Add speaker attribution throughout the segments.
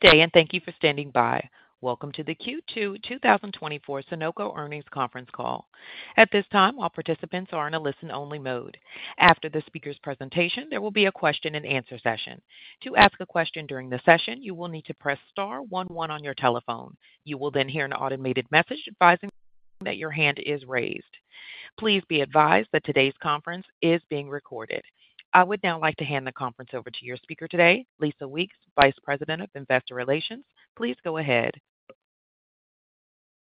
Speaker 1: Good day, and thank you for standing by. Welcome to the Q2 2024 Sonoco earnings conference call. At this time, all participants are in a listen-only mode. After the speaker's presentation, there will be a question-and-answer session. To ask a question during the session, you will need to press star one one on your telephone. You will then hear an automated message advising that your hand is raised. Please be advised that today's conference is being recorded. I would now like to hand the conference over to your speaker today, Lisa Weeks, Vice President of Investor Relations. Please go ahead.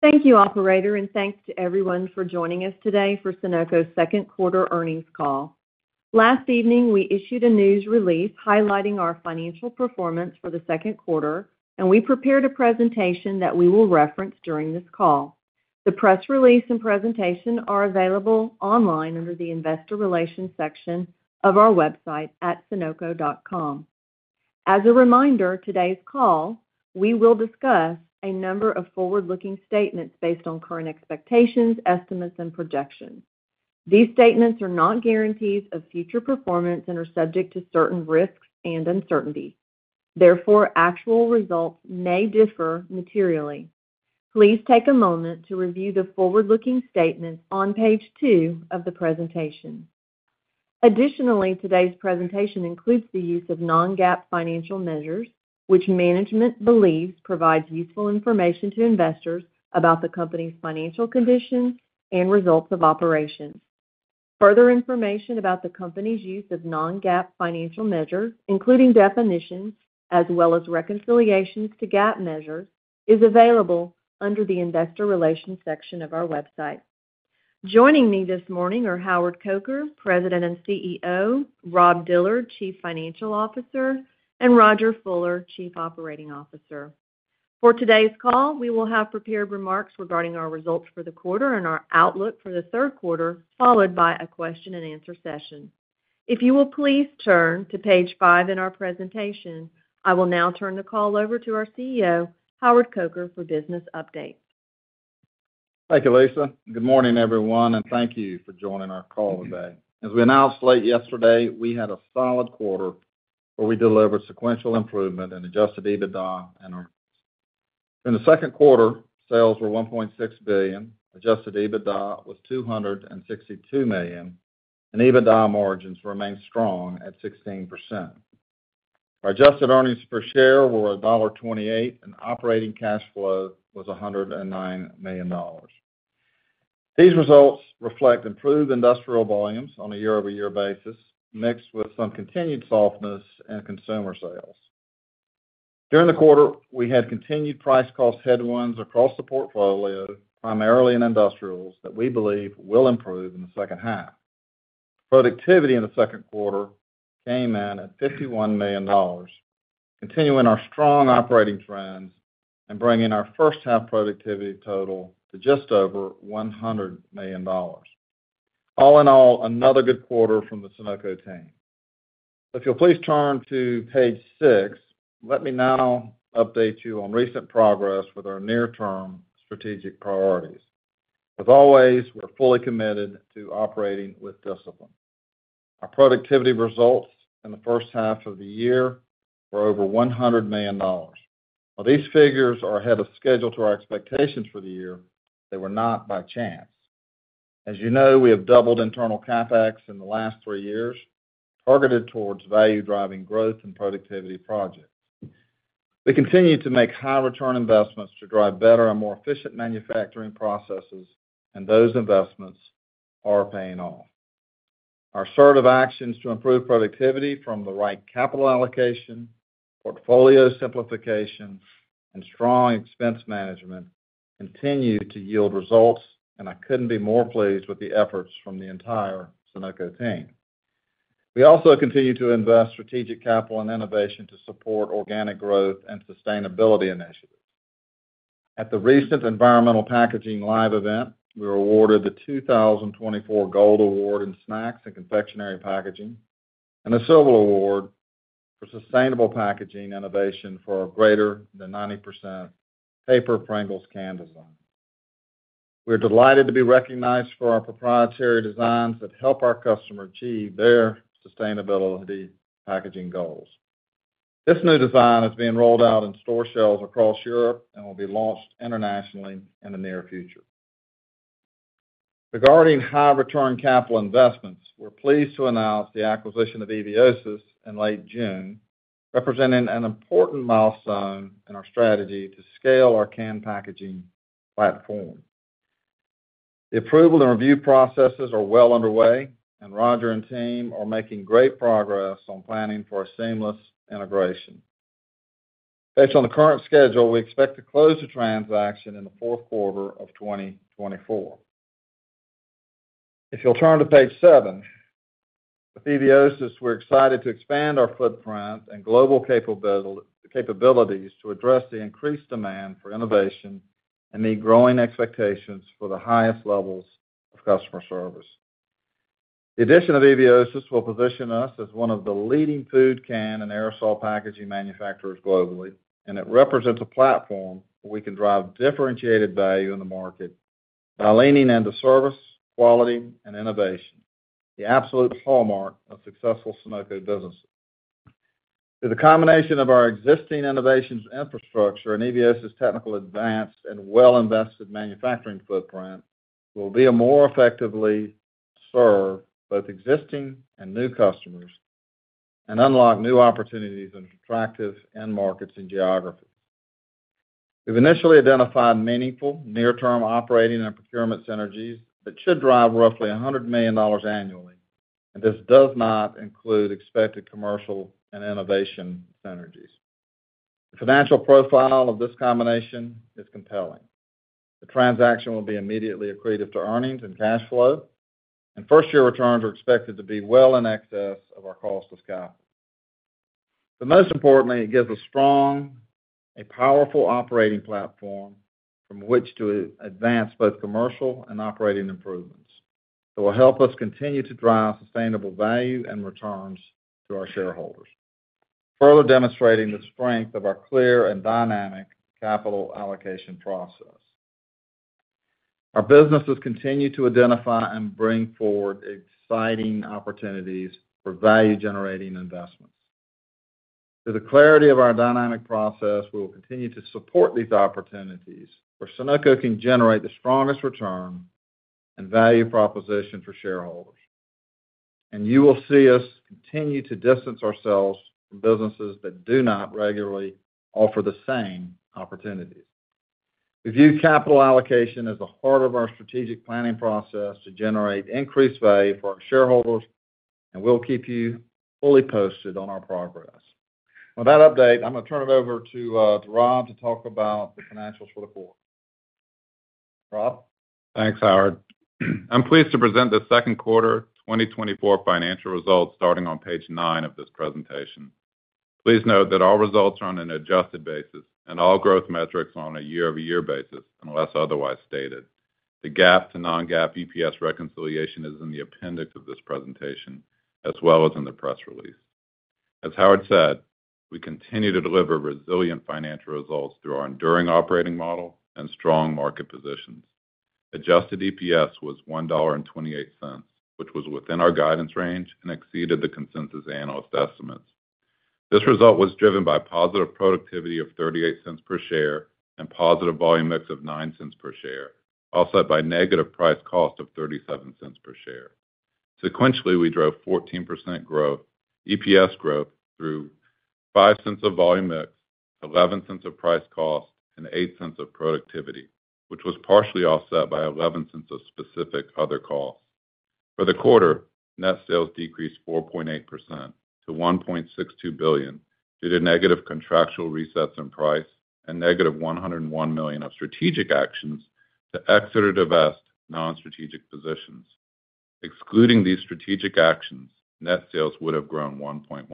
Speaker 2: Thank you, Operator, and thanks to everyone for joining us today for Sonoco's second quarter earnings call. Last evening, we issued a news release highlighting our financial performance for the second quarter, and we prepared a presentation that we will reference during this call. The press release and presentation are available online under the Investor Relations section of our website at sonoco.com. As a reminder, today's call, we will discuss a number of forward-looking statements based on current expectations, estimates, and projections. These statements are not guarantees of future performance and are subject to certain risks and uncertainty. Therefore, actual results may differ materially. Please take a moment to review the forward-looking statements on page two of the presentation. Additionally, today's presentation includes the use of Non-GAAP financial measures, which management believes provides useful information to investors about the company's financial conditions and results of operations. Further information about the company's use of non-GAAP financial measures, including definitions as well as reconciliations to GAAP measures, is available under the Investor Relations section of our website. Joining me this morning are Howard Coker, President and CEO, Rob Dillard, Chief Financial Officer, and Rodger Fuller, Chief Operating Officer. For today's call, we will have prepared remarks regarding our results for the quarter and our outlook for the third quarter, followed by a question-and-answer session. If you will please turn to page five in our presentation, I will now turn the call over to our CEO, Howard Coker, for business updates.
Speaker 3: Thank you, Lisa. Good morning, everyone, and thank you for joining our call today. As we announced late yesterday, we had a solid quarter where we delivered sequential improvement in adjusted EBITDA and earnings. In the second quarter, sales were $1.6 billion, adjusted EBITDA was $262 million, and EBITDA margins remained strong at 16%. Our adjusted earnings per share were $1.28, and operating cash flow was $109 million. These results reflect improved industrial volumes on a year-over-year basis, mixed with some continued softness in consumer sales. During the quarter, we had continued price-cost headwinds across the portfolio, primarily in industrials, that we believe will improve in the second half. Productivity in the second quarter came in at $51 million, continuing our strong operating trends and bringing our first-half productivity total to just over $100 million. All in all, another good quarter from the Sonoco team. If you'll please turn to page six, let me now update you on recent progress with our near-term strategic priorities. As always, we're fully committed to operating with discipline. Our productivity results in the first half of the year were over $100 million. While these figures are ahead of schedule to our expectations for the year, they were not by chance. As you know, we have doubled internal CapEx in the last three years, targeted towards value-driving growth and productivity projects. We continue to make high-return investments to drive better and more efficient manufacturing processes, and those investments are paying off. Our assertive actions to improve productivity from the right capital allocation, portfolio simplification, and strong expense management continue to yield results, and I couldn't be more pleased with the efforts from the entire Sonoco team. We also continue to invest strategic capital and innovation to support organic growth and sustainability initiatives. At the recent Environmental Packaging Live event, we were awarded the 2024 Gold Award in Snacks and Confectionery Packaging and the Silver Award for sustainable packaging innovation for our greater than 90% paper Pringles can designs. We are delighted to be recognized for our proprietary designs that help our customers achieve their sustainability packaging goals. This new design is being rolled out in store shelves across Europe and will be launched internationally in the near future. Regarding high-return capital investments, we're pleased to announce the acquisition of Eviosys in late June, representing an important milestone in our strategy to scale our can packaging platform. The approval and review processes are well underway, and Rodger and team are making great progress on planning for a seamless integration. Based on the current schedule, we expect to close the transaction in the fourth quarter of 2024. If you'll turn to page seven, with Eviosys, we're excited to expand our footprint and global capabilities to address the increased demand for innovation and meet growing expectations for the highest levels of customer service. The addition of Eviosys will position us as one of the leading food can and aerosol packaging manufacturers globally, and it represents a platform where we can drive differentiated value in the market by leaning into service, quality, and innovation, the absolute hallmark of successful Sonoco businesses. With a combination of our existing innovations and infrastructure and Eviosys' technical, advanced, and well-invested manufacturing footprint, we'll be able to more effectively serve both existing and new customers and unlock new opportunities in attractive end markets and geographies. We've initially identified meaningful near-term operating and procurement synergies that should drive roughly $100 million annually, and this does not include expected commercial and innovation synergies. The financial profile of this combination is compelling. The transaction will be immediately accretive to earnings and cash flow, and first-year returns are expected to be well in excess of our cost of capital. But most importantly, it gives a strong, a powerful operating platform from which to advance both commercial and operating improvements that will help us continue to drive sustainable value and returns to our shareholders, further demonstrating the strength of our clear and dynamic capital allocation process. Our businesses continue to identify and bring forward exciting opportunities for value-generating investments. With the clarity of our dynamic process, we will continue to support these opportunities where Sonoco can generate the strongest return and value proposition for shareholders. You will see us continue to distance ourselves from businesses that do not regularly offer the same opportunities. We view capital allocation as the heart of our strategic planning process to generate increased value for our shareholders, and we'll keep you fully posted on our progress. With that update, I'm going to turn it over to Rob to talk about the financials for the quarter. Rob?
Speaker 4: Thanks, Howard. I'm pleased to present the second quarter 2024 financial results starting on page nine of this presentation. Please note that all results are on an adjusted basis and all growth metrics are on a year-over-year basis unless otherwise stated. The GAAP to non-GAAP EPS reconciliation is in the appendix of this presentation as well as in the press release. As Howard said, we continue to deliver resilient financial results through our enduring operating model and strong market positions. Adjusted EPS was $1.28, which was within our guidance range and exceeded the consensus analyst estimates. This result was driven by positive productivity of $0.38 per share and positive volume mix of $0.09 per share, offset by negative price cost of $0.37 per share. Sequentially, we drove 14% growth, EPS growth through $0.05 of volume mix, $0.11 of price cost, and $0.08 of productivity, which was partially offset by $0.11 of specific other costs. For the quarter, net sales decreased 4.8% to $1.62 billion due to negative contractual resets in price and negative $101 million of strategic actions to exit or divest non-strategic positions. Excluding these strategic actions, net sales would have grown 1.1%.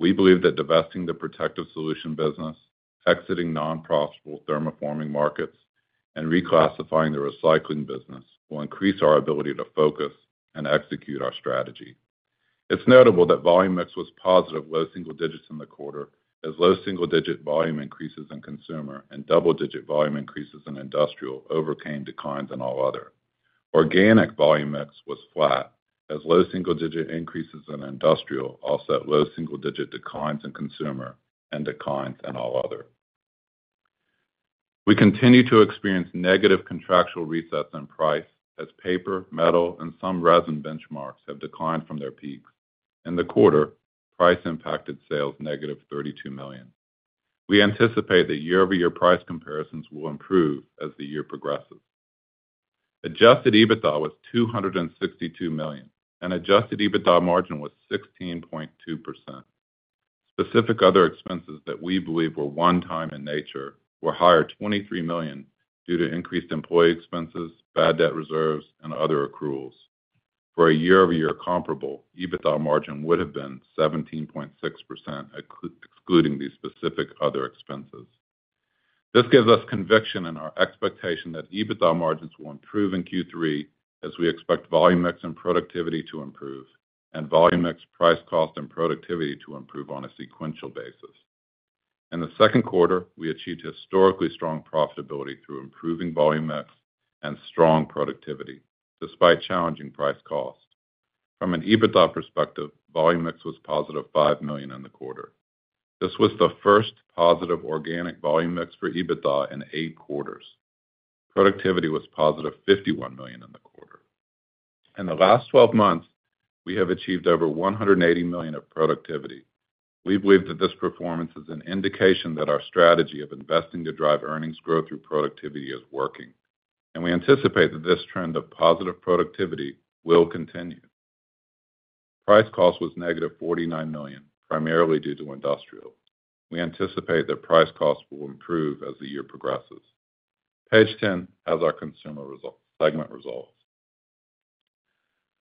Speaker 4: We believe that divesting the Protective Solutions business, exiting non-profitable thermoforming markets, and reclassifying the recycling business will increase our ability to focus and execute our strategy. It's notable that volume mix was positive, low single digits in the quarter, as low single digit volume increases in consumer and double digit volume increases in industrial overcame declines in all other. Organic volume mix was flat, as low single digit increases in industrial offset low single digit declines in consumer and declines in all other. We continue to experience negative contractual resets in price as paper, metal, and some resin benchmarks have declined from their peaks. In the quarter, price impacted sales negative $32 million. We anticipate that year-over-year price comparisons will improve as the year progresses. Adjusted EBITDA was $262 million, and adjusted EBITDA margin was 16.2%. Specific other expenses that we believe were one-time in nature were higher $23 million due to increased employee expenses, bad debt reserves, and other accruals. For a year-over-year comparable, EBITDA margin would have been 17.6% excluding these specific other expenses. This gives us conviction in our expectation that EBITDA margins will improve in Q3 as we expect volume mix and productivity to improve and volume mix, price cost, and productivity to improve on a sequential basis. In the second quarter, we achieved historically strong profitability through improving volume mix and strong productivity despite challenging price cost. From an EBITDA perspective, volume mix was positive $5 million in the quarter. This was the first positive organic volume mix for EBITDA in eight quarters. Productivity was positive $51 million in the quarter. In the last 12 months, we have achieved over $180 million of productivity. We believe that this performance is an indication that our strategy of investing to drive earnings growth through productivity is working, and we anticipate that this trend of positive productivity will continue. Price cost was negative $49 million, primarily due to industrial. We anticipate that price cost will improve as the year progresses. Page 10 has our consumer segment results.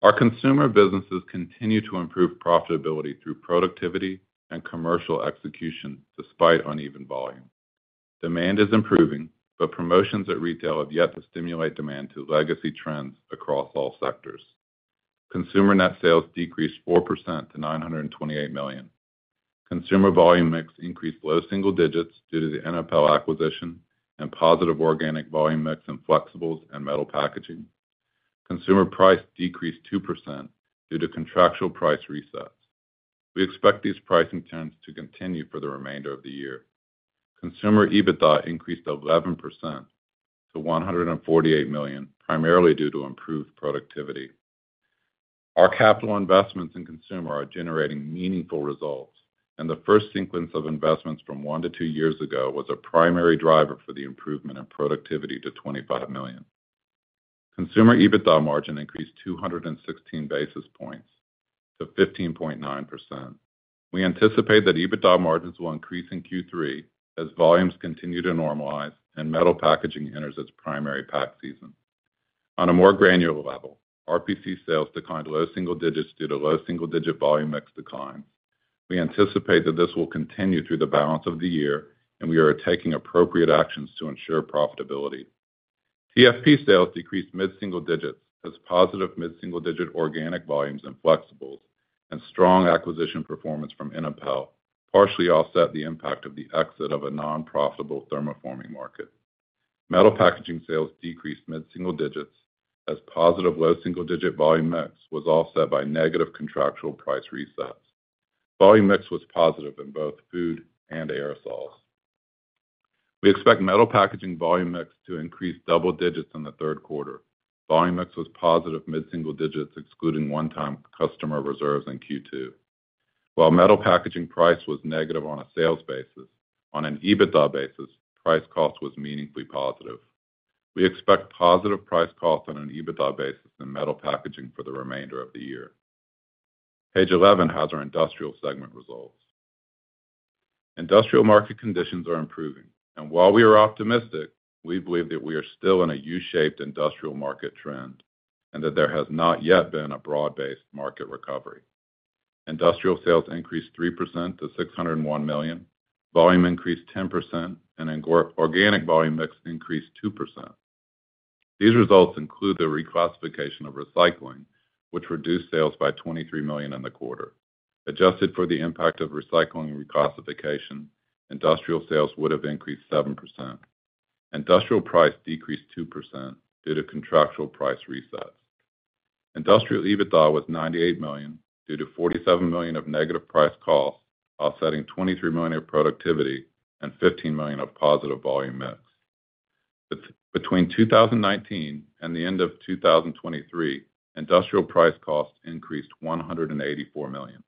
Speaker 4: Our consumer businesses continue to improve profitability through productivity and commercial execution despite uneven volume. Demand is improving, but promotions at retail have yet to stimulate demand to legacy trends across all sectors. Consumer net sales decreased 4% to $928 million. Consumer volume mix increased low single digits due to the Inapel acquisition and positive organic volume mix in flexibles and metal packaging. Consumer price decreased 2% due to contractual price resets. We expect these pricing trends to continue for the remainder of the year. Consumer EBITDA increased 11% to $148 million, primarily due to improved productivity. Our capital investments in consumer are generating meaningful results, and the first sequence of investments from one to two years ago was a primary driver for the improvement in productivity to $25 million. Consumer EBITDA margin increased 216 basis points to 15.9%. We anticipate that EBITDA margins will increase in Q3 as volumes continue to normalize and metal packaging enters its primary pack season. On a more granular level, RPC sales declined low single digits due to low single digit volume mix declines. We anticipate that this will continue through the balance of the year, and we are taking appropriate actions to ensure profitability. TFP sales decreased mid-single digits as positive mid-single digit organic volumes in flexibles and strong acquisition performance from Inapel partially offset the impact of the exit of a non-profitable thermoforming market. Metal Packaging sales decreased mid-single digits as positive low single digit volume mix was offset by negative contractual price resets. Volume mix was positive in both food and aerosols. We expect Metal Packaging volume mix to increase double digits in the third quarter. Volume mix was positive mid-single digits excluding one-time customer reserves in Q2. While Metal Packaging price was negative on a sales basis, on an EBITDA basis, price cost was meaningfully positive. We expect positive price cost on an EBITDA basis in Metal Packaging for the remainder of the year. Page 11 has our industrial segment results. Industrial market conditions are improving, and while we are optimistic, we believe that we are still in a U-shaped industrial market trend and that there has not yet been a broad-based market recovery. Industrial sales increased 3% to $601 million, volume increased 10%, and organic volume mix increased 2%. These results include the reclassification of recycling, which reduced sales by $23 million in the quarter. Adjusted for the impact of recycling reclassification, industrial sales would have increased 7%. Industrial price decreased 2% due to contractual price resets. Industrial EBITDA was $98 million due to $47 million of negative price cost, offsetting $23 million of productivity and $15 million of positive volume mix. Between 2019 and the end of 2023, industrial price cost increased $184 million,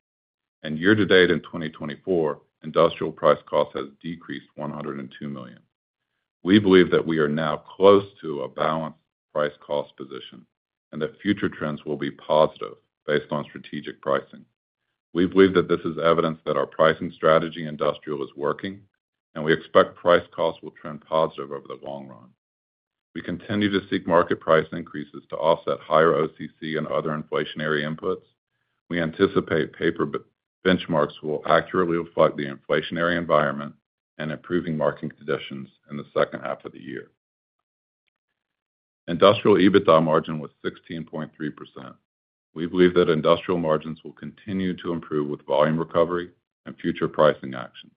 Speaker 4: and year-to-date in 2024, industrial price cost has decreased $102 million. We believe that we are now close to a balanced price cost position and that future trends will be positive based on strategic pricing. We believe that this is evidence that our pricing strategy industrial is working, and we expect price cost will trend positive over the long run. We continue to seek market price increases to offset higher OCC and other inflationary inputs. We anticipate paper benchmarks will accurately reflect the inflationary environment and improving market conditions in the second half of the year. Industrial EBITDA margin was 16.3%. We believe that industrial margins will continue to improve with volume recovery and future pricing actions.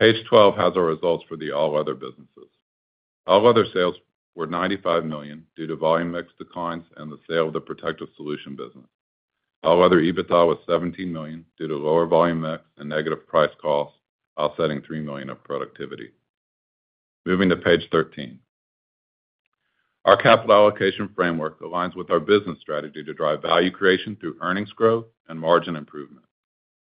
Speaker 4: Page 12 has our results for the all other businesses. All other sales were $95 million due to volume mix declines and the sale of the Protective Solutions business. All other EBITDA was $17 million due to lower volume mix and negative price-cost, offsetting $3 million of productivity. Moving to page 13. Our capital allocation framework aligns with our business strategy to drive value creation through earnings growth and margin improvement.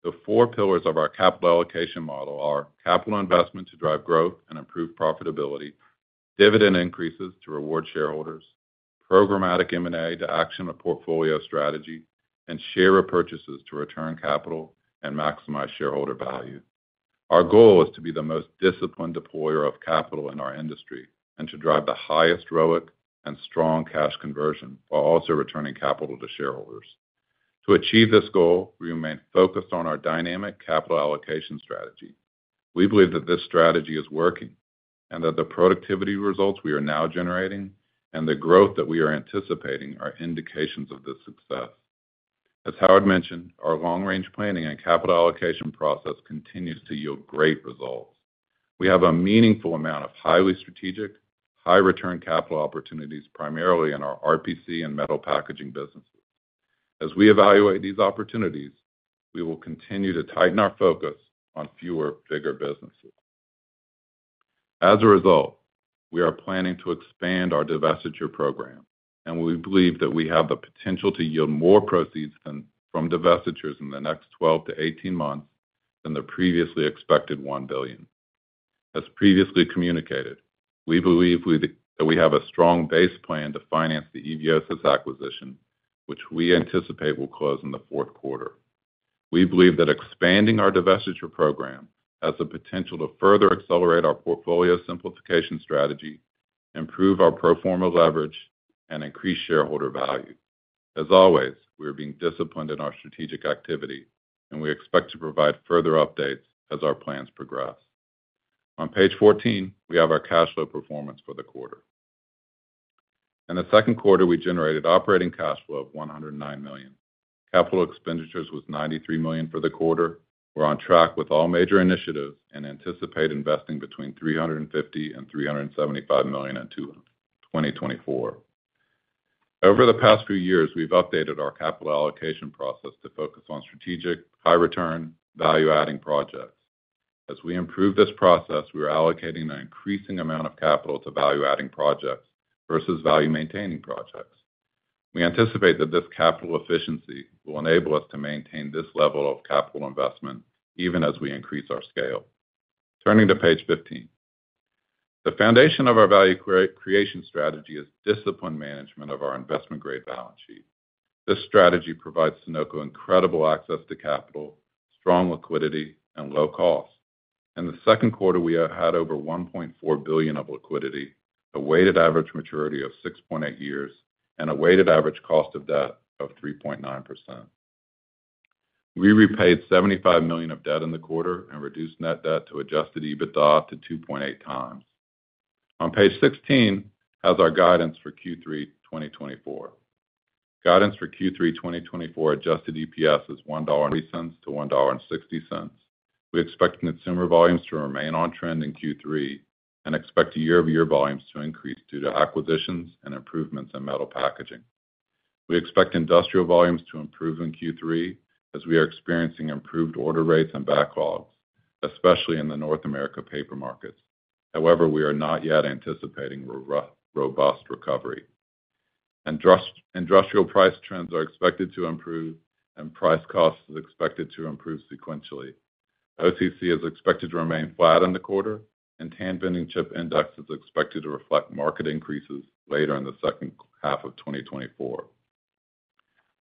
Speaker 4: The four pillars of our capital allocation model are capital investment to drive growth and improve profitability, dividend increases to reward shareholders, programmatic M&A to action a portfolio strategy, and share repurchases to return capital and maximize shareholder value. Our goal is to be the most disciplined deployer of capital in our industry and to drive the highest ROIC and strong cash conversion while also returning capital to shareholders. To achieve this goal, we remain focused on our dynamic capital allocation strategy. We believe that this strategy is working and that the productivity results we are now generating and the growth that we are anticipating are indications of this success. As Howard mentioned, our long-range planning and capital allocation process continues to yield great results. We have a meaningful amount of highly strategic, high-return capital opportunities primarily in our RPC and Metal Packaging businesses. As we evaluate these opportunities, we will continue to tighten our focus on fewer bigger businesses. As a result, we are planning to expand our divestiture program, and we believe that we have the potential to yield more proceeds from divestitures in the next 12-18 months than the previously expected $1 billion. As previously communicated, we believe that we have a strong base plan to finance the Eviosys acquisition, which we anticipate will close in the fourth quarter. We believe that expanding our divestiture program has the potential to further accelerate our portfolio simplification strategy, improve our pro forma leverage, and increase shareholder value. As always, we are being disciplined in our strategic activity, and we expect to provide further updates as our plans progress. On page 14, we have our cash flow performance for the quarter. In the second quarter, we generated operating cash flow of $109 million. Capital expenditures was $93 million for the quarter. We're on track with all major initiatives and anticipate investing between $350 million-$375 million in 2024. Over the past few years, we've updated our capital allocation process to focus on strategic, high-return, value-adding projects. As we improve this process, we are allocating an increasing amount of capital to value-adding projects versus value-maintaining projects. We anticipate that this capital efficiency will enable us to maintain this level of capital investment even as we increase our scale. Turning to page 15, the foundation of our value creation strategy is disciplined management of our investment-grade balance sheet. This strategy provides Sonoco incredible access to capital, strong liquidity, and low cost. In the second quarter, we had over $1.4 billion of liquidity, a weighted average maturity of 6.8 years, and a weighted average cost of debt of 3.9%. We repaid $75 million of debt in the quarter and reduced net debt to adjusted EBITDA to 2.8x. On page 16 has our guidance for Q3 2024. Guidance for Q3 2024 adjusted EPS is $1.00-$1.60. We expect consumer volumes to remain on trend in Q3 and expect year-over-year volumes to increase due to acquisitions and improvements in metal packaging. We expect industrial volumes to improve in Q3 as we are experiencing improved order rates and backlogs, especially in the North America paper markets. However, we are not yet anticipating robust recovery. Industrial price trends are expected to improve, and price-cost is expected to improve sequentially. OCC is expected to remain flat in the quarter, and Tan Bending Chip Index is expected to reflect market increases later in the second half of 2024.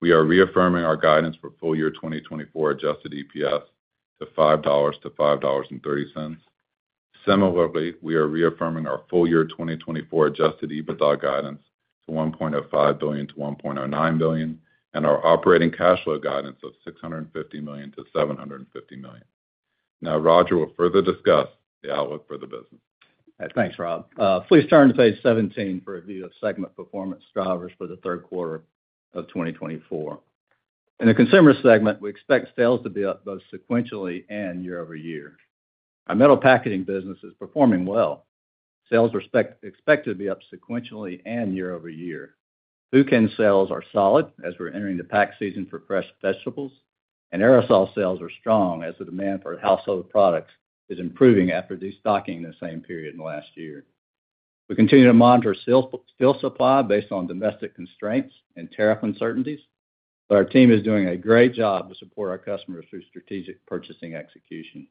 Speaker 4: We are reaffirming our guidance for full year 2024 adjusted EPS to $5.00-$5.30. Similarly, we are reaffirming our full year 2024 adjusted EBITDA guidance to $1.05 billion-$1.09 billion and our operating cash flow guidance of $650 million-$750 million. Now, Rodger will further discuss the outlook for the business.
Speaker 5: Thanks, Rob. Please turn to page 17 for a view of segment performance drivers for the third quarter of 2024. In the consumer segment, we expect sales to be up both sequentially and year-over-year. Our Metal Packaging business is performing well. Sales are expected to be up sequentially and year-over-year. Food can sales are solid as we're entering the pack season for fresh vegetables, and aerosol sales are strong as the demand for household products is improving after destocking in the same period in the last year. We continue to monitor sales supply based on domestic constraints and tariff uncertainties, but our team is doing a great job to support our customers through strategic purchasing execution.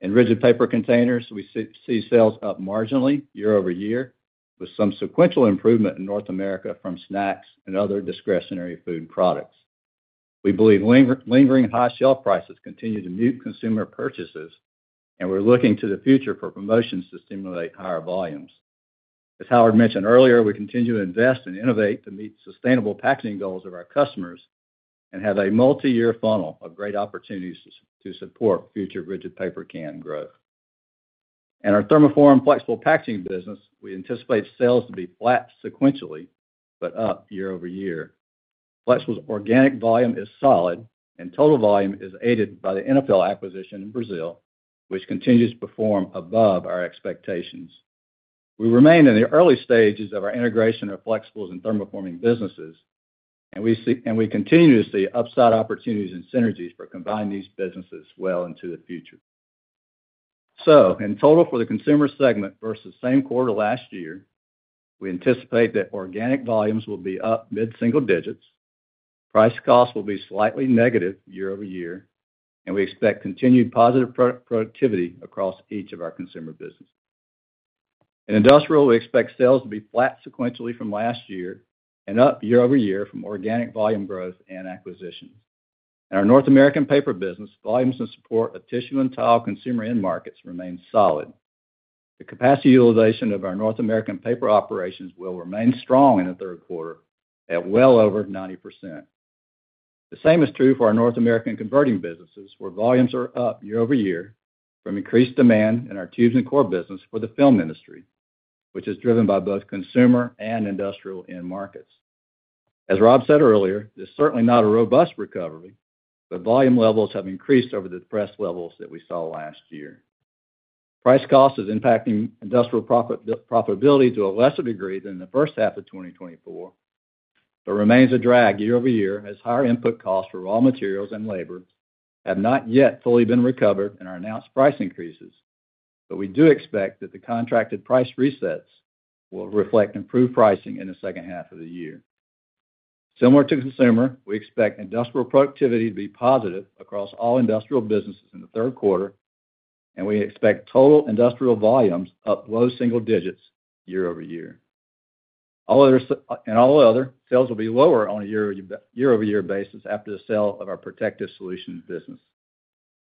Speaker 5: In rigid paper containers, we see sales up marginally year-over-year with some sequential improvement in North America from snacks and other discretionary food products. We believe lingering high shelf prices continue to mute consumer purchases, and we're looking to the future for promotions to stimulate higher volumes. As Howard mentioned earlier, we continue to invest and innovate to meet sustainable packaging goals of our customers and have a multi-year funnel of great opportunities to support future rigid paper can growth. In our thermoform flexible packaging business, we anticipate sales to be flat sequentially but up year-over-year. Flexible's organic volume is solid, and total volume is aided by the Inapel acquisition in Brazil, which continues to perform above our expectations. We remain in the early stages of our integration of flexibles and thermoforming businesses, and we continue to see upside opportunities and synergies for combining these businesses well into the future. So, in total for the consumer segment versus same quarter last year, we anticipate that organic volumes will be up mid-single digits, price-cost will be slightly negative year-over-year, and we expect continued positive productivity across each of our consumer businesses. In industrial, we expect sales to be flat sequentially from last year and up year-over-year from organic volume growth and acquisitions. In our North American paper business, volumes to support a tissue and towel consumer end markets remain solid. The capacity utilization of our North American paper operations will remain strong in the third quarter at well over 90%. The same is true for our North American converting businesses, where volumes are up year-over-year from increased demand in our tubes and core business for the film industry, which is driven by both consumer and industrial end markets. As Rob said earlier, this is certainly not a robust recovery, but volume levels have increased over the previous levels that we saw last year. Price-cost is impacting industrial profitability to a lesser degree than the first half of 2024, but remains a drag year-over-year as higher input costs for raw materials and labor have not yet fully been recovered in our announced price increases, but we do expect that the contracted price resets will reflect improved pricing in the second half of the year. Similar to consumer, we expect industrial productivity to be positive across all industrial businesses in the third quarter, and we expect total industrial volumes up low single digits year-over-year. In all other, sales will be lower on a year-over-year basis after the sale of our Protective Solutions business.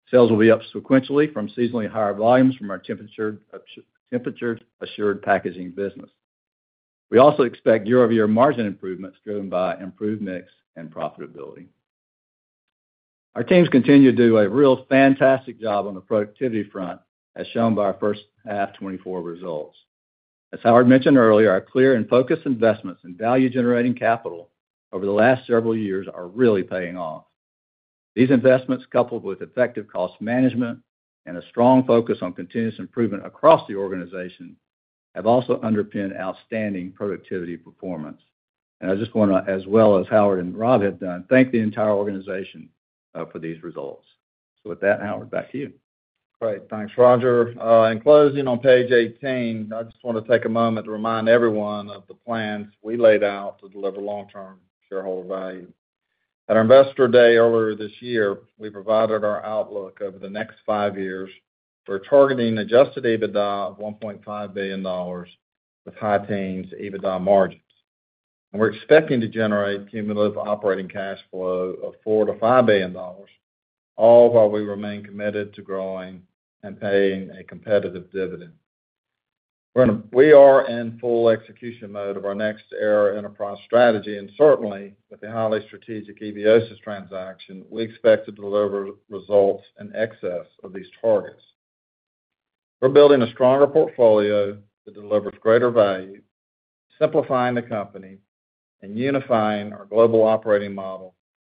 Speaker 5: Sales will be up sequentially from seasonally higher volumes from our temperature-assured packaging business. We also expect year-over-year margin improvements driven by improved mix and profitability. Our teams continue to do a real fantastic job on the productivity front, as shown by our first half 2024 results. As Howard mentioned earlier, our clear and focused investments in value-generating capital over the last several years are really paying off. These investments, coupled with effective cost management and a strong focus on continuous improvement across the organization, have also underpinned outstanding productivity performance. I just want to, as well as Howard and Rob had done, thank the entire organization for these results. With that, Howard, back to you.
Speaker 3: Great. Thanks, Rodger. In closing on page 18, I just want to take a moment to remind everyone of the plans we laid out to deliver long-term shareholder value. At our investor day earlier this year, we provided our outlook over the next five years. We're targeting adjusted EBITDA of $1.5 billion with high teens EBITDA margins. And we're expecting to generate cumulative operating cash flow of $4 billion-$5 billion, all while we remain committed to growing and paying a competitive dividend. We are in full execution mode of our next-era enterprise strategy, and certainly with the highly strategic Eviosys transaction, we expect to deliver results in excess of these targets. We're building a stronger portfolio that delivers greater value, simplifying the company, and unifying our global operating model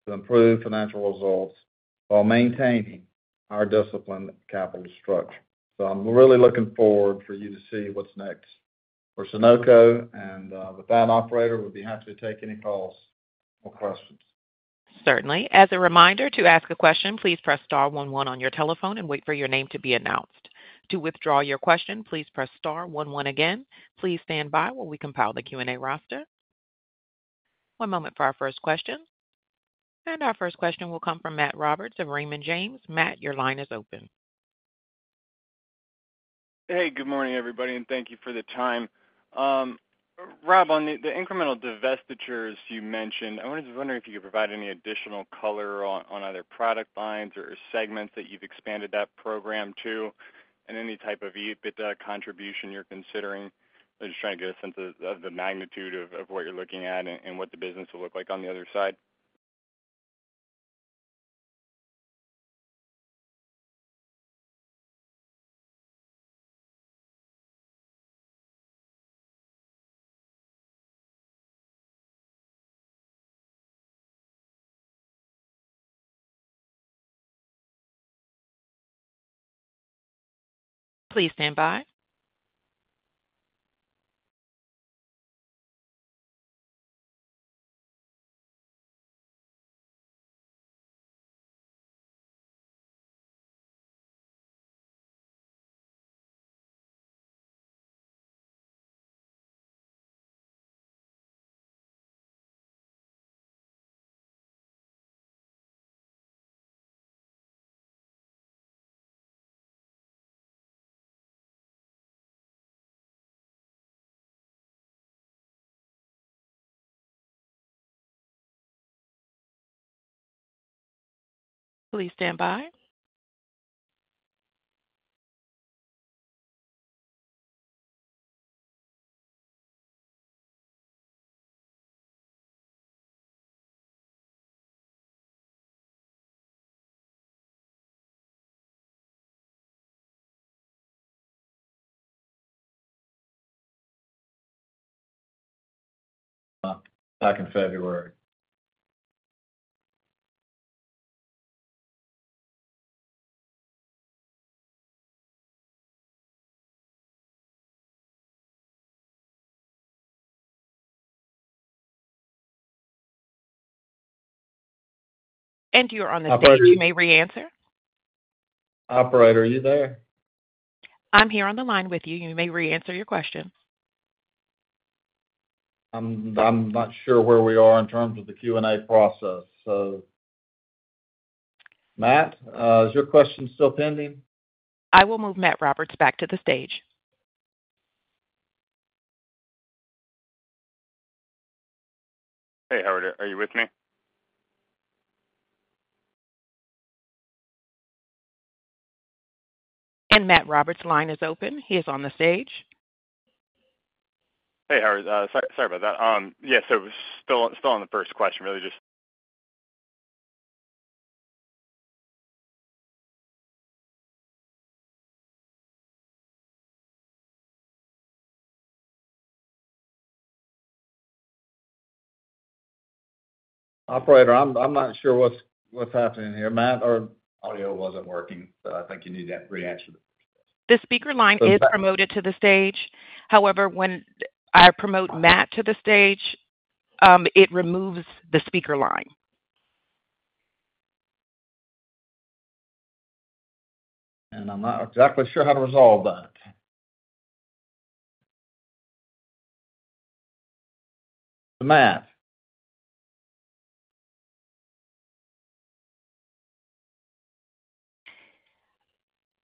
Speaker 3: to improve financial results while maintaining our disciplined capital structure. So I'm really looking forward for you to see what's next for Sonoco, and with that, Operator, we'd be happy to take any calls or questions.
Speaker 1: Certainly. As a reminder, to ask a question, please press star one one on your telephone and wait for your name to be announced. To withdraw your question, please press star one one again. Please stand by while we compile the Q&A roster. One moment for our first question. Our first question will come from Matt Roberts of Raymond James. Matt, your line is open.
Speaker 6: Hey, good morning, everybody, and thank you for the time. Rob, on the incremental divestitures you mentioned, I was wondering if you could provide any additional color on other product lines or segments that you've expanded that program to and any type of EBITDA contribution you're considering. I'm just trying to get a sense of the magnitude of what you're looking at and what the business will look like on the other side.
Speaker 1: Please stand by. Please stand by.
Speaker 6: Back in February.
Speaker 1: And you're on the stage. You may re-answer.
Speaker 3: Operator, are you there?
Speaker 1: I'm here on the line with you. You may re-answer your question.
Speaker 3: I'm not sure where we are in terms of the Q&A process. So, Matt, is your question still pending?
Speaker 1: I will move Matt Roberts back to the stage.
Speaker 6: Hey, Howard. Are you with me?
Speaker 1: And Matt Roberts' line is open. He is on the stage.
Speaker 6: Hey, Howard. Sorry about that. Yeah, so still on the first question.
Speaker 3: Operator, I'm not sure what's happening here. Matt, your audio wasn't working, so I think you need to re-answer the first question.
Speaker 1: The speaker line is promoted to the stage. However, when I promote Matt to the stage, it removes the speaker line.
Speaker 3: And I'm not exactly sure how to resolve that.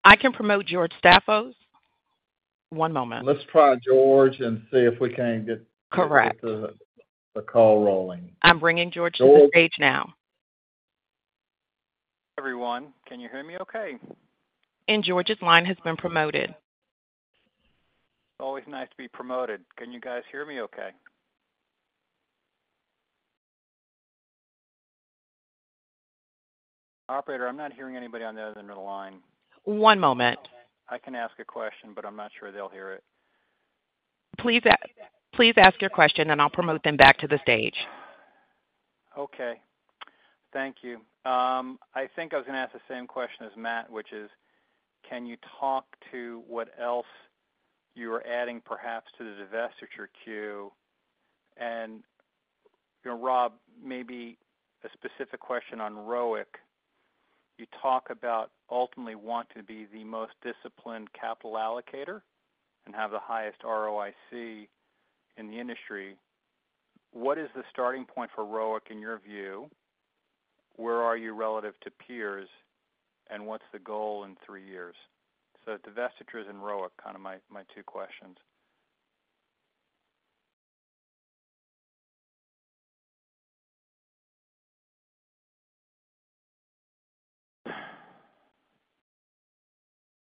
Speaker 3: Matt?
Speaker 1: I can promote George Staphos. One moment.
Speaker 3: Let's try George and see if we can't get the call rolling.
Speaker 1: I'm bringing George to the stage now.
Speaker 7: Everyone, can you hear me okay?
Speaker 1: And George's line has been promoted.
Speaker 7: It's always nice to be promoted. Can you guys hear me okay? Operator, I'm not hearing anybody on the other end of the line.
Speaker 1: One moment.
Speaker 7: I can ask a question, but I'm not sure they'll hear it.
Speaker 1: Please ask your question, and I'll promote them back to the stage.
Speaker 7: Okay. Thank you. I think I was going to ask the same question as Matt, which is, can you talk to what else you are adding perhaps to the divestiture queue? And Rob, maybe a specific question on ROIC. You talk about ultimately wanting to be the most disciplined capital allocator and have the highest ROIC in the industry. What is the starting point for ROIC in your view? Where are you relative to peers, and what's the goal in three years? So divestitures and ROIC, kind of my two questions.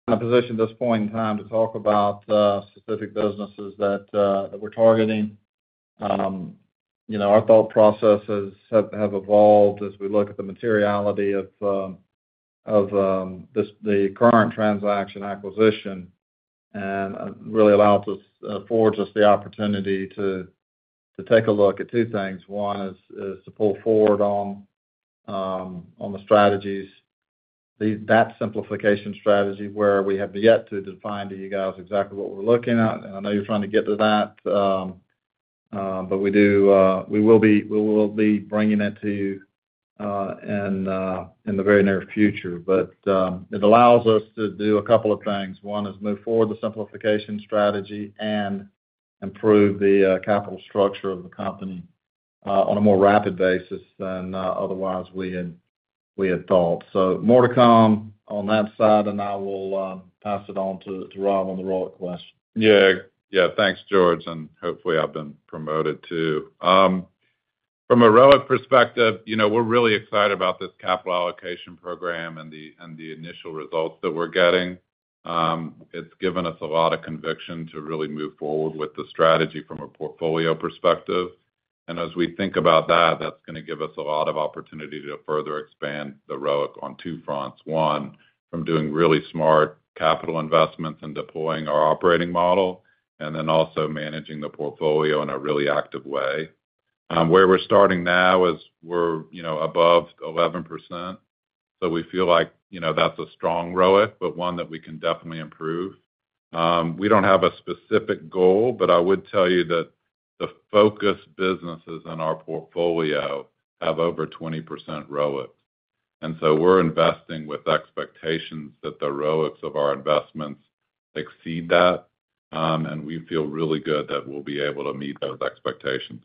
Speaker 3: I'm in a position at this point in time to talk about specific businesses that we're targeting. Our thought processes have evolved as we look at the materiality of the current transaction acquisition and really allowed us, affords us the opportunity to take a look at two things. One is to pull forward on the strategies, that simplification strategy where we have yet to define to you guys exactly what we're looking at. And I know you're trying to get to that, but we will be bringing it to you in the very near future. But it allows us to do a couple of things. One is move forward the simplification strategy and improve the capital structure of the company on a more rapid basis than otherwise we had thought. So more to come on that side, and I will pass it on to Rob on the ROIC question.
Speaker 4: Yeah. Yeah. Thanks, George. And hopefully, I've been promoted too. From a ROIC perspective, we're really excited about this capital allocation program and the initial results that we're getting. It's given us a lot of conviction to really move forward with the strategy from a portfolio perspective. As we think about that, that's going to give us a lot of opportunity to further expand the ROIC on two fronts. One, from doing really smart capital investments and deploying our operating model, and then also managing the portfolio in a really active way. Where we're starting now is we're above 11%. So we feel like that's a strong ROIC, but one that we can definitely improve. We don't have a specific goal, but I would tell you that the focus businesses in our portfolio have over 20% ROIC. And so we're investing with expectations that the ROICs of our investments exceed that, and we feel really good that we'll be able to meet those expectations.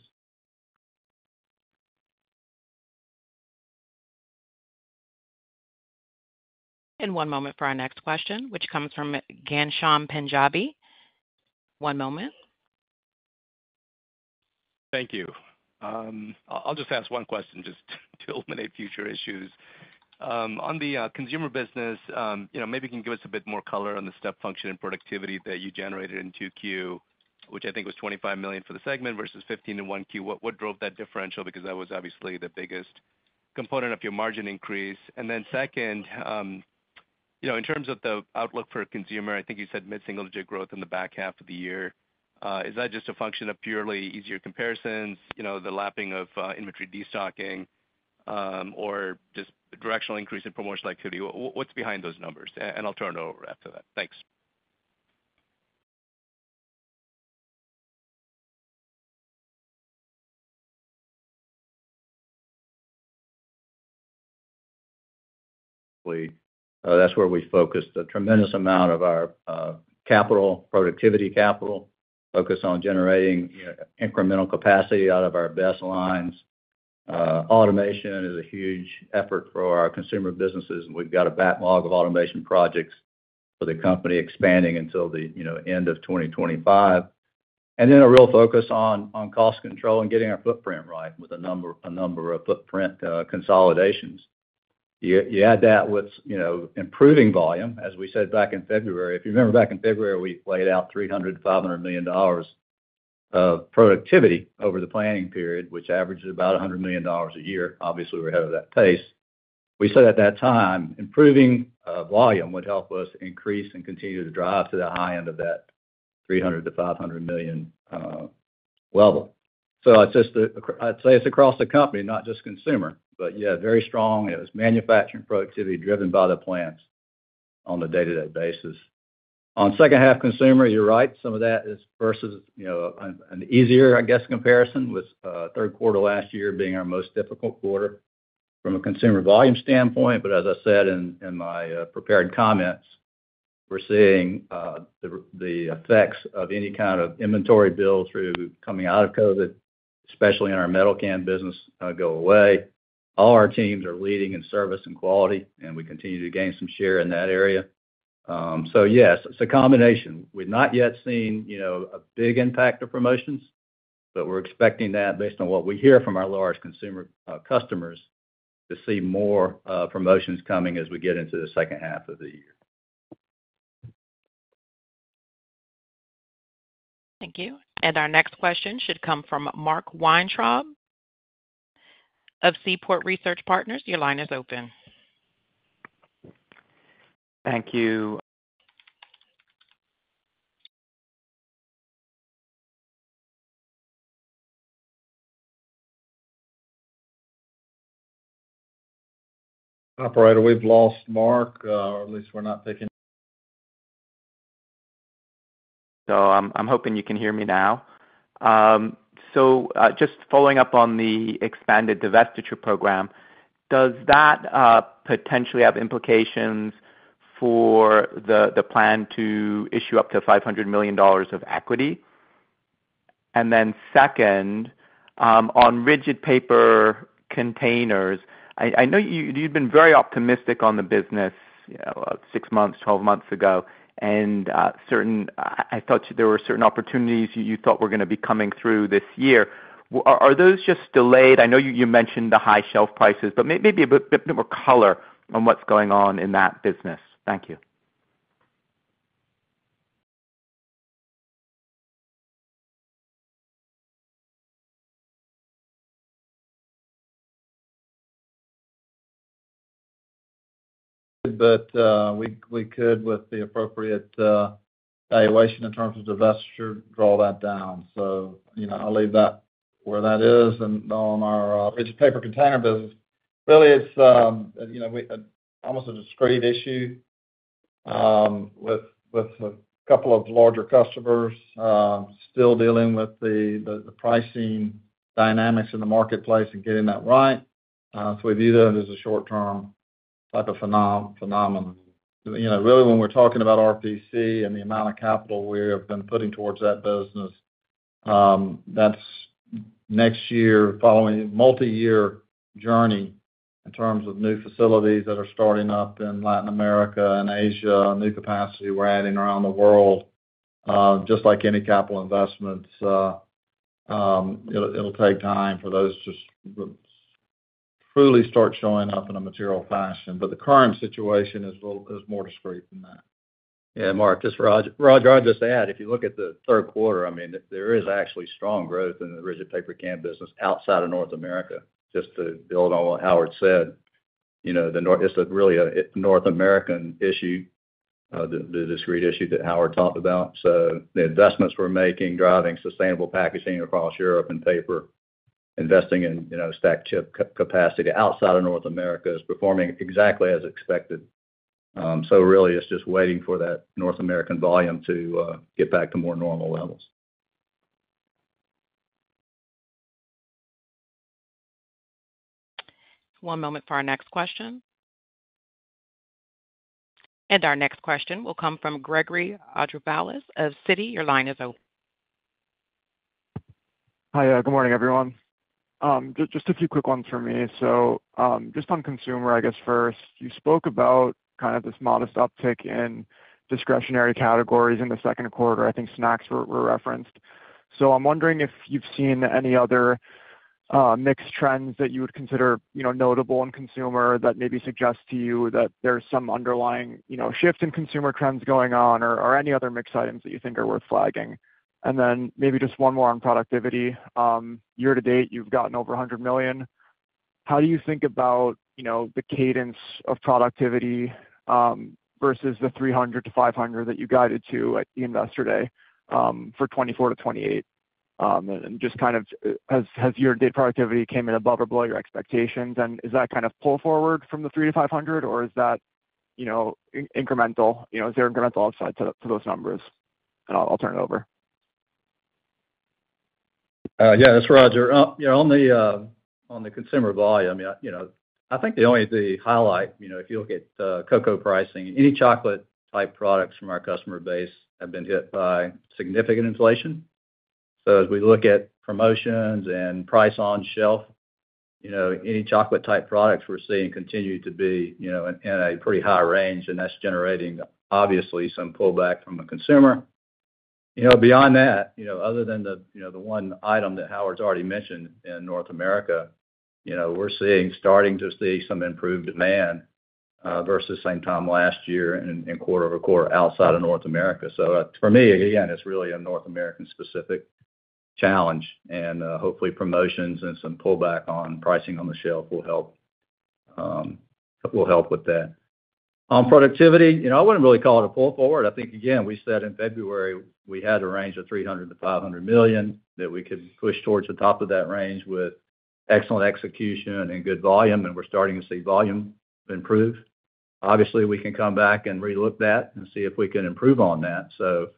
Speaker 1: And one moment for our next question, which comes from Ghansham Panjabi. One moment.
Speaker 8: Thank you. I'll just ask one question just to eliminate future issues. On the consumer business, maybe you can give us a bit more color on the step function and productivity that you generated in 2Q, which I think was $25 million for the segment versus $15 million in 1Q. What drove that differential? Because that was obviously the biggest component of your margin increase. And then second, in terms of the outlook for consumer, I think you said mid-single digit growth in the back half of the year. Is that just a function of purely easier comparisons, the lapping of inventory destocking, or just directional increase in promotional activity? What's behind those numbers? And I'll turn it over after that. Thanks.
Speaker 5: That's where we focused a tremendous amount of our capital, productivity capital, focused on generating incremental capacity out of our best lines. Automation is a huge effort for our consumer businesses, and we've got a backlog of automation projects for the company expanding until the end of 2025. And then a real focus on cost control and getting our footprint right with a number of footprint consolidations. You add that with improving volume, as we said back in February. If you remember, back in February, we laid out $300 million-$500 million of productivity over the planning period, which averaged about $100 million a year. Obviously, we're ahead of that pace. We said at that time, improving volume would help us increase and continue to drive to the high end of that $300 million-$500 million level. So I'd say it's across the company, not just consumer, but yeah, very strong. It was manufacturing productivity driven by the plants on a day-to-day basis. On second-half consumer, you're right. Some of that is versus an easier, I guess, comparison with third quarter last year being our most difficult quarter from a consumer volume standpoint. But as I said in my prepared comments, we're seeing the effects of any kind of inventory build through coming out of COVID, especially in our metal can business, go away. All our teams are leading in service and quality, and we continue to gain some share in that area. So yes, it's a combination. We've not yet seen a big impact of promotions, but we're expecting that based on what we hear from our large consumer customers to see more promotions coming as we get into the second half of the year.
Speaker 1: Thank you. And our next question should come from Mark Weintraub of Seaport Research Partners. Your line is open.
Speaker 9: Thank you.
Speaker 3: Operator, we've lost Mark, or at least we're not thinking.
Speaker 9: So I'm hoping you can hear me now. So just following up on the expanded divestiture program, does that potentially have implications for the plan to issue up to $500 million of equity? And then second, on rigid paper containers, I know you've been very optimistic on the business six months, 12 months ago, and I thought there were certain opportunities you thought were going to be coming through this year. Are those just delayed? I know you mentioned the high shelf prices, but maybe a bit more color on what's going on in that business. Thank you.
Speaker 3: But we could, with the appropriate evaluation in terms of divestiture, draw that down. So I'll leave that where that is. On our rigid paper container business, really, it's almost a discrete issue with a couple of larger customers still dealing with the pricing dynamics in the marketplace and getting that right. So we view that as a short-term type of phenomenon. Really, when we're talking about RPC and the amount of capital we have been putting towards that business, that's next year following a multi-year journey in terms of new facilities that are starting up in Latin America and Asia, new capacity we're adding around the world. Just like any capital investments, it'll take time for those to truly start showing up in a material fashion. But the current situation is more discrete than that.
Speaker 5: Yeah. Mark, just Rodger, I'll just add, if you look at the third quarter, I mean, there is actually strong growth in the rigid paper can business outside of North America. Just to build on what Howard said, it's really a North American issue, the discrete issue that Howard talked about. So the investments we're making, driving sustainable packaging across Europe and paper, investing in stacked chip capacity outside of North America is performing exactly as expected. So really, it's just waiting for that North American volume to get back to more normal levels.
Speaker 1: One moment for our next question. Our next question will come from Gregory Andreopoulos of Citi. Your line is open.
Speaker 10: Hi. Good morning, everyone. Just a few quick ones for me. So just on consumer, I guess, first, you spoke about kind of this modest uptick in discretionary categories in the second quarter. I think snacks were referenced. So I'm wondering if you've seen any other mixed trends that you would consider notable in consumer that maybe suggest to you that there's some underlying shift in consumer trends going on or any other mixed items that you think are worth flagging. And then maybe just one more on productivity. Year to date, you've gotten over $100 million. How do you think about the cadence of productivity versus the $300 million-$500 million that you guided to at the investor day for 2024-2028? And just kind of has your day productivity came in above or below your expectations? And is that kind of pull forward from the $300 million-$500 million, or is that incremental? Is there incremental upside to those numbers? And I'll turn it over.
Speaker 5: Yeah. It's Rodger. On the consumer volume, I think the only highlight, if you look at cocoa pricing, any chocolate-type products from our customer base have been hit by significant inflation. So as we look at promotions and price on shelf, any chocolate-type products we're seeing continue to be in a pretty high range, and that's generating, obviously, some pullback from the consumer. Beyond that, other than the one item that Howard's already mentioned in North America, we're starting to see some improved demand versus same time last year and quarter-over-quarter outside of North America. So for me, again, it's really a North American-specific challenge. And hopefully, promotions and some pullback on pricing on the shelf will help with that. On productivity, I wouldn't really call it a pull forward. I think, again, we said in February, we had a range of $300 million-$500 million that we could push towards the top of that range with excellent execution and good volume, and we're starting to see volume improve. Obviously, we can come back and relook that and see if we can improve on that. So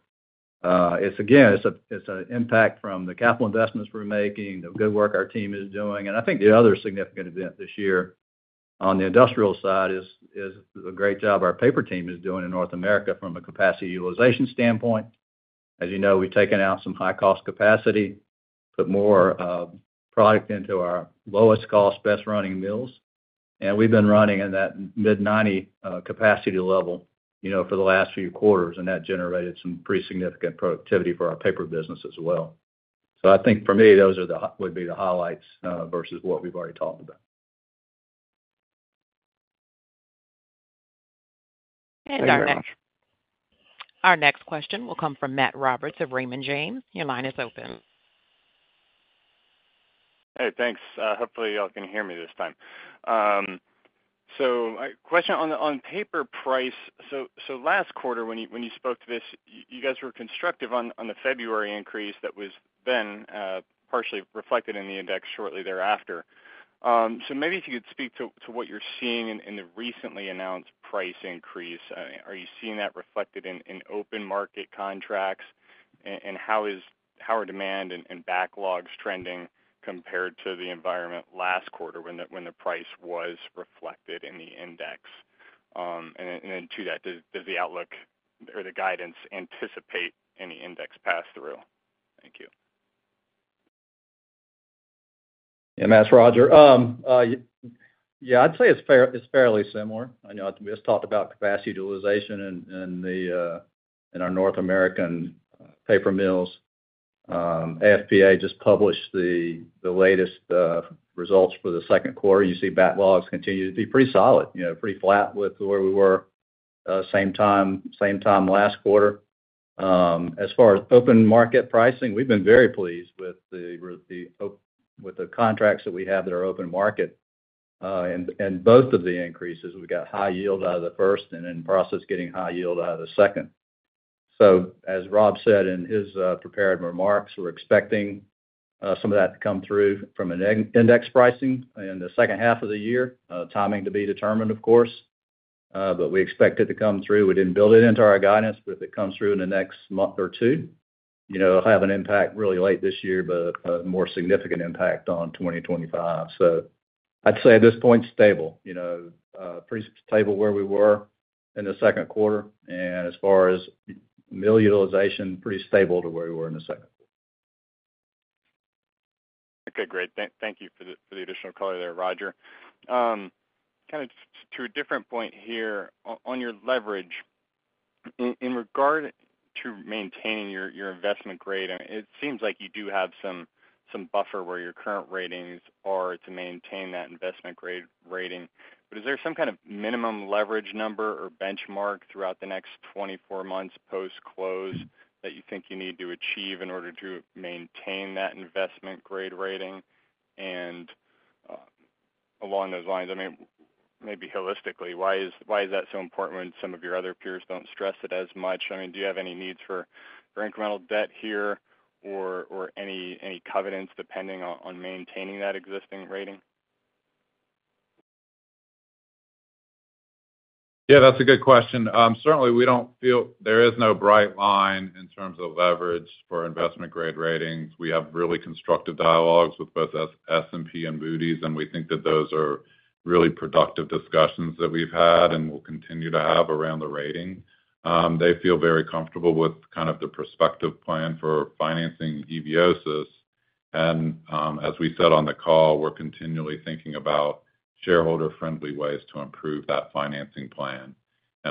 Speaker 5: again, it's an impact from the capital investments we're making, the good work our team is doing. And I think the other significant event this year on the industrial side is the great job our paper team is doing in North America from a capacity utilization standpoint. As you know, we've taken out some high-cost capacity, put more product into our lowest-cost, best-running mills. And we've been running in that mid-90% capacity level for the last few quarters, and that generated some pretty significant productivity for our paper business as well. So I think, for me, those would be the highlights versus what we've already talked about.
Speaker 1: And our next question will come from Matt Roberts of Raymond James. Your line is open.
Speaker 6: Hey. Thanks. Hopefully, y'all can hear me this time. So question on paper price. So last quarter, when you spoke to this, you guys were constructive on the February increase that was then partially reflected in the index shortly thereafter. So maybe if you could speak to what you're seeing in the recently announced price increase. Are you seeing that reflected in open market contracts, and how are demand and backlogs trending compared to the environment last quarter when the price was reflected in the index? And then to that, does the outlook or the guidance anticipate any index pass-through? Thank you.
Speaker 5: Yeah. Matt it's Rodger. Yeah. I'd say it's fairly similar. We just talked about capacity utilization in our North American paper mills. AF&PA just published the latest results for the second quarter. You see backlogs continue to be pretty solid, pretty flat with where we were same time last quarter. As far as open market pricing, we've been very pleased with the contracts that we have that are open market. And both of the increases, we've got high yield out of the first and in process getting high yield out of the second. So as Rob said in his prepared remarks, we're expecting some of that to come through from an index pricing in the second half of the year. Timing to be determined, of course, but we expect it to come through. We didn't build it into our guidance, but if it comes through in the next month or 2, it'll have an impact really late this year, but a more significant impact on 2025. So I'd say at this point, stable, pretty stable where we were in the second quarter. And as far as mill utilization, pretty stable to where we were in the second quarter.
Speaker 6: Okay. Great. Thank you for the additional color there, Rodger. Kind of to a different point here, on your leverage, in regard to maintaining your investment grade, it seems like you do have some buffer where your current ratings are to maintain that investment grade rating. But is there some kind of minimum leverage number or benchmark throughout the next 24 months post-close that you think you need to achieve in order to maintain that investment grade rating? And along those lines, I mean, maybe holistically, why is that so important when some of your other peers don't stress it as much? I mean, do you have any needs for incremental debt here or any covenants depending on maintaining that existing rating?
Speaker 4: Yeah. That's a good question. Certainly, we don't feel there is no bright line in terms of leverage for investment grade ratings. We have really constructive dialogues with both S&P and Moody's, and we think that those are really productive discussions that we've had and will continue to have around the rating. They feel very comfortable with kind of the prospective plan for financing Eviosys. And as we said on the call, we're continually thinking about shareholder-friendly ways to improve that financing plan.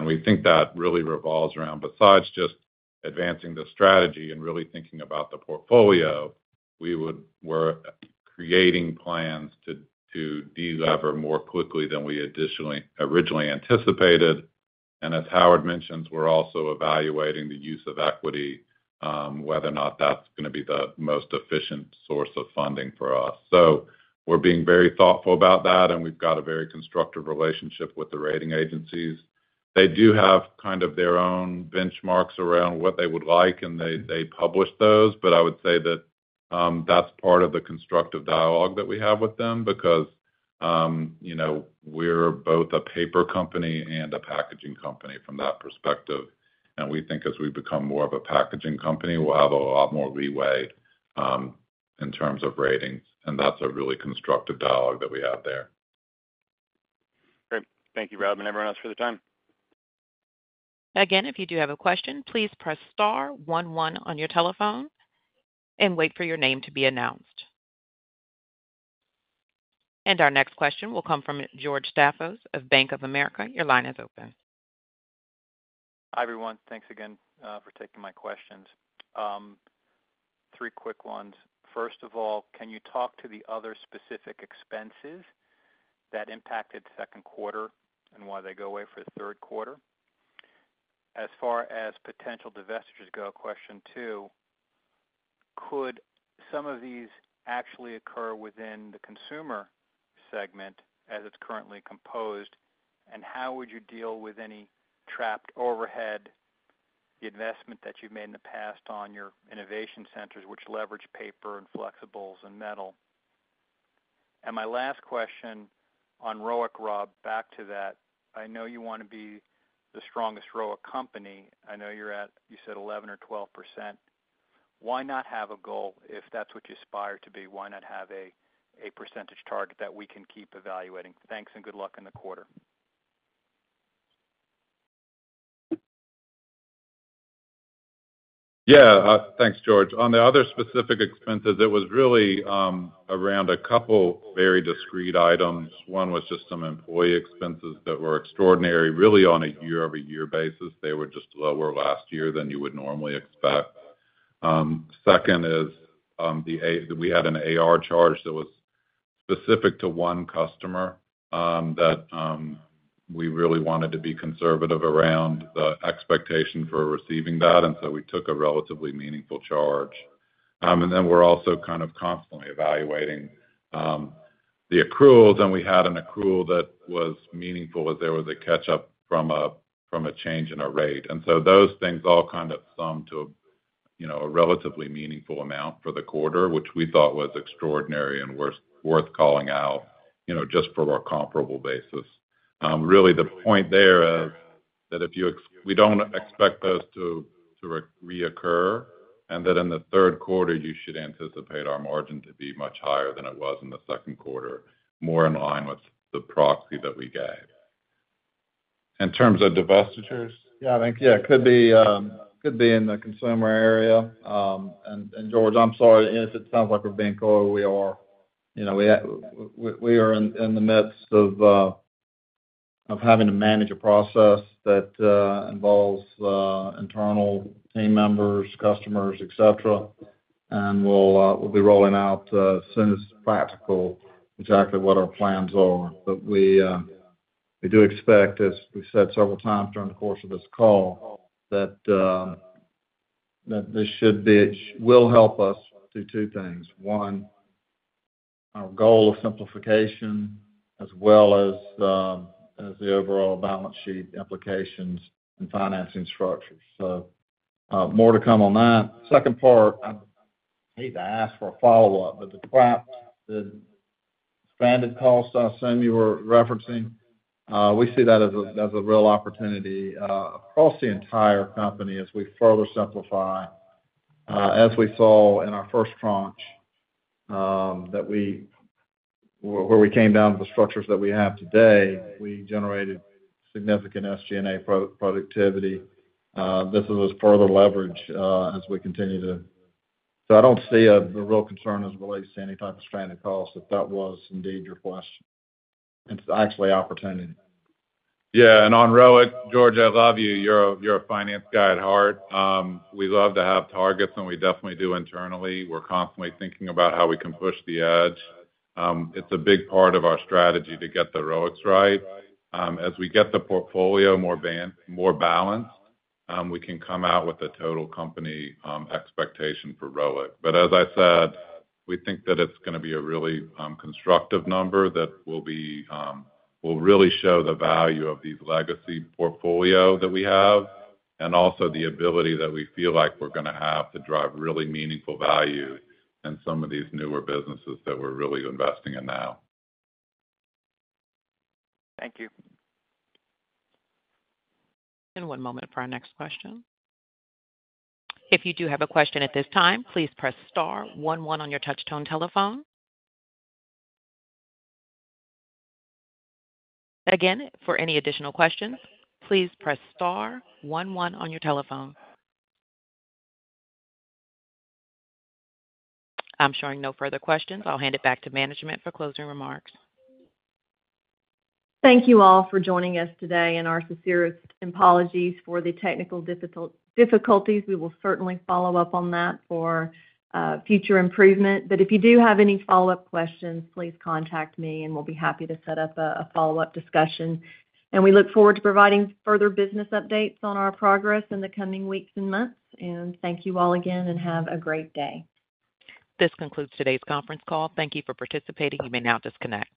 Speaker 4: We think that really revolves around, besides just advancing the strategy and really thinking about the portfolio, we're creating plans to delever more quickly than we originally anticipated. As Howard mentioned, we're also evaluating the use of equity, whether or not that's going to be the most efficient source of funding for us. We're being very thoughtful about that, and we've got a very constructive relationship with the rating agencies. They do have kind of their own benchmarks around what they would like, and they publish those. But I would say that that's part of the constructive dialogue that we have with them because we're both a paper company and a packaging company from that perspective. We think as we become more of a packaging company, we'll have a lot more leeway in terms of ratings. That's a really constructive dialogue that we have there.
Speaker 9: Great. Thank you, Rob, and everyone else for the time.
Speaker 1: Again, if you do have a question, please press star 11 on your telephone and wait for your name to be announced. Our next question will come from George Staphos of Bank of America. Your line is open.
Speaker 7: Hi, everyone. Thanks again for taking my questions. Three quick ones. First of all, can you talk to the other specific expenses that impacted second quarter and why they go away for the third quarter? As far as potential divestitures go, question two, could some of these actually occur within the consumer segment as it's currently composed? And how would you deal with any trapped overhead investment that you've made in the past on your innovation centers, which leverage paper and flexibles and metal? And my last question on ROIC, Rob, back to that. I know you want to be the strongest ROIC company. I know you're at, you said, 11% or 12%. Why not have a goal? If that's what you aspire to be, why not have a percentage target that we can keep evaluating? Thanks and good luck in the quarter.
Speaker 4: Yeah. Thanks, George. On the other specific expenses, it was really around a couple of very discrete items. One was just some employee expenses that were extraordinary, really on a year-over-year basis. They were just lower last year than you would normally expect. Second is we had an AR charge that was specific to one customer that we really wanted to be conservative around the expectation for receiving that. And so we took a relatively meaningful charge. And then we're also kind of constantly evaluating the accruals. We had an accrual that was meaningful as there was a catch-up from a change in a rate. So those things all kind of summed to a relatively meaningful amount for the quarter, which we thought was extraordinary and worth calling out just for a comparable basis. Really, the point there is that we don't expect those to reoccur, and that in the third quarter, you should anticipate our margin to be much higher than it was in the second quarter, more in line with the proxy that we gave. In terms of divestitures?
Speaker 3: Yeah. Thank you. Yeah. It could be in the consumer area. And George, I'm sorry if it sounds like we're being cold. We are in the midst of having to manage a process that involves internal team members, customers, etc. We'll be rolling out as soon as practical exactly what our plans are. But we do expect, as we said several times during the course of this call, that this will help us do two things. One, our goal of simplification as well as the overall balance sheet implications and financing structure. So more to come on that. Second part, I hate to ask for a follow-up, but the stranded costs I assume you were referencing, we see that as a real opportunity across the entire company as we further simplify. As we saw in our first tranche, where we came down to the structures that we have today, we generated significant SG&A productivity. This is as further leverage as we continue to. So I don't see the real concern as it relates to any type of stranded cost, if that was indeed your question. It's actually opportunity.
Speaker 4: Yeah. And on ROIC, George, I love you. You're a finance guy at heart. We love to have targets, and we definitely do internally. We're constantly thinking about how we can push the edge. It's a big part of our strategy to get the ROICs right. As we get the portfolio more balanced, we can come out with a total company expectation for ROIC. But as I said, we think that it's going to be a really constructive number that will really show the value of these legacy portfolio that we have and also the ability that we feel like we're going to have to drive really meaningful value in some of these newer businesses that we're really investing in now.
Speaker 7: Thank you.
Speaker 1: And one moment for our next question. If you do have a question at this time, please press star 11 on your touch-tone telephone. Again, for any additional questions, please press star 11 on your telephone. I'm showing no further questions. I'll hand it back to management for closing remarks.
Speaker 2: Thank you all for joining us today, and our sincerest apologies for the technical difficulties. We will certainly follow up on that for future improvement. But if you do have any follow-up questions, please contact me, and we'll be happy to set up a follow-up discussion. And we look forward to providing further business updates on our progress in the coming weeks and months. And thank you all again, and have a great day.
Speaker 1: This concludes today's conference call. Thank you for participating. You may now disconnect.